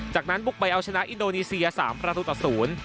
จากนั้นบุกไปเอาชนะอินโดนีเซีย๓ประตูต่อศูนย์